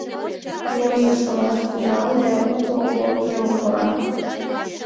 Мелже шелаш тӱҥале, уло оҥжым кора.